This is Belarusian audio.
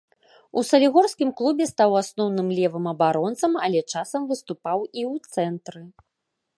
У салігорскім клубе стаў асноўным левым абаронцам, але часам выступаў і ў цэнтры.